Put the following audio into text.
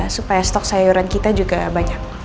supaya stok sayuran kita juga banyak